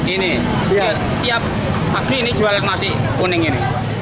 ini biar tiap pagi ini jual nasi kuning ini